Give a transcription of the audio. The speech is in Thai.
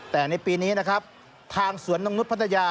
แต่ในปีนี้นะครับทางสวรรค์นังนุษย์ภัทอยา